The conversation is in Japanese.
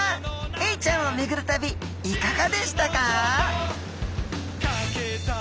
エイちゃんをめぐる旅いかがでしたか？